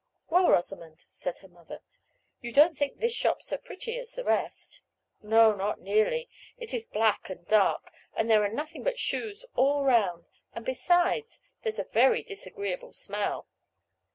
"Well, Rosamond," said her mother, "you don't think this shop so pretty as the rest?" "No, not nearly; it is black and dark, and there are nothing but shoes all round; and, besides, there's a very disagreeable smell."